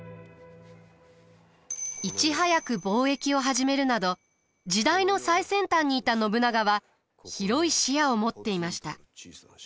いち早く貿易を始めるなど時代の最先端にいた信長は広い視野を持っていました。